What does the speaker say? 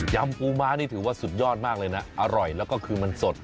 ปูม้านี่ถือว่าสุดยอดมากเลยนะอร่อยแล้วก็คือมันสด